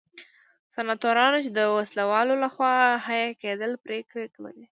سناتورانو چې د وسله والو لخوا حیه کېدل پرېکړې کولې.